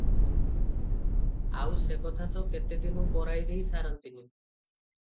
ଆଉ ସେ କଥା ତ କେତେଦିନୁ କରାଇ ଦେଇ ସାରନ୍ତିଣି ।